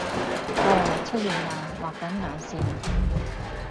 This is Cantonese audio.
噢出現喇畫緊眼線！